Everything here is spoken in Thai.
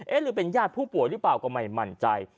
หรือเป็นญาติผู้ป่วยหรือเปล่าก็ไม่มั่นใจ